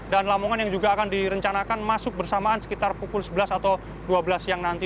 dan lamongan yang juga akan direncanakan masuk bersamaan sekitar pukul sebelas atau dua belas siang nanti